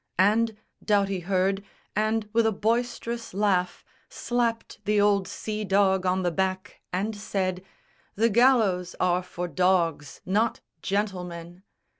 And Doughty heard, and with a boisterous laugh Slapped the old sea dog on the back and said, "The gallows are for dogs, not gentlemen!"